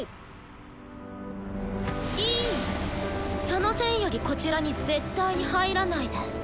その線よりこちらに絶対に入らないで。